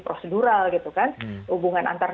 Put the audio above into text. prosedural gitu kan hubungan antar